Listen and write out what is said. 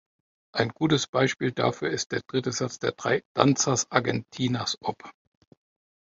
Ein gutes Beispiel dafür ist der dritte Satz der drei "Danzas argentinas op.